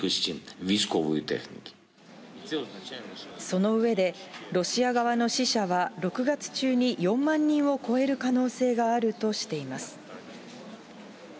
その上で、ロシア側の死者は、６月中に４万人を超える可能性があるとしています。